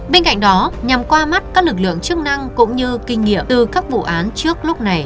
bên cạnh đó nhằm qua mắt các lực lượng chức năng cũng như kinh nghiệm từ các vụ án trước lúc này